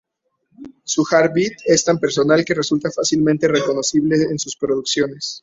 Su "hard beat" es tan personal que resulta fácilmente reconocible en sus producciones.